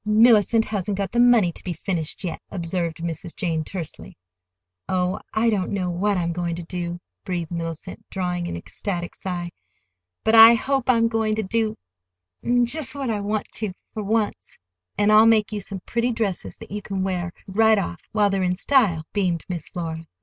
"Mellicent hasn't got the money to be finished—yet," observed Mrs. Jane tersely. "Oh, I don't know what I'm going to do," breathed Mellicent, drawing an ecstatic sigh. "But I hope I'm going to do—just what I want to, for once!" "And I'll make you some pretty dresses that you can wear right off, while they're in style," beamed Miss Flora.